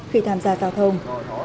khi tham gia giao thông